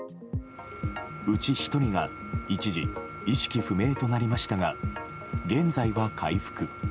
うち１人が一時、意識不明となりましたが現在は回復。